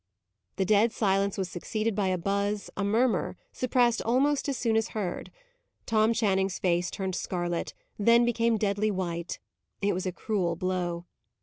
The dead silence was succeeded by a buzz, a murmur, suppressed almost as soon as heard. Tom Channing's face turned scarlet, then became deadly white. It was a cruel blow.